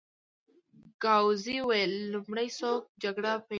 ګاووزي وویل: لومړی څوک جګړه پېلوي؟